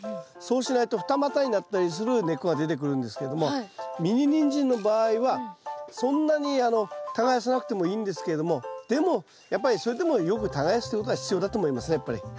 そうしないと二股になったりする根っこが出てくるんですけどもミニニンジンの場合はそんなに耕さなくてもいいんですけれどもでもやっぱりそれでもよく耕すってことは必要だと思いますねやっぱり。